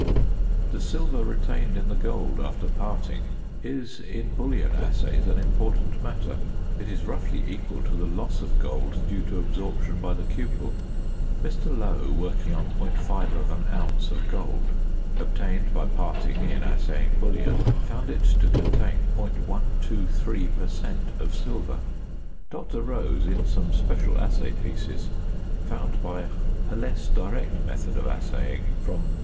The silver retained in the gold after parting is, in bullion assays, an important matter; it is roughly equal to the loss of gold due to absorption by the cupel. Mr. Lowe working on .5 oz. of gold, obtained by parting in assaying bullion, found it to contain .123 per cent. of silver. Dr. Rose in some special assay pieces found by a less direct method of assaying, from